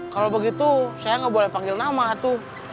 kalau begitu saya nggak boleh panggil nama tuh